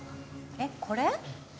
えっこれ？